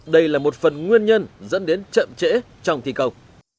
đây là một phần nguyên nhân dẫn đến chậm trễ trong thi công